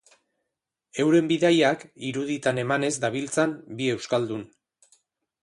Euren bidaiak iruditan emanez dabiltzan bi euskaldun.